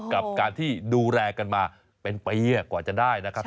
กับการที่ดูแลกันมาเป็นปีกว่าจะได้นะครับ